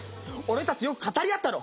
俺たちよく語り合ったろ？